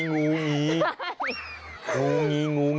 งูงีอาจารย์